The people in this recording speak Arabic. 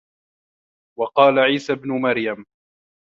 وَقَالَ عِيسَى ابْنُ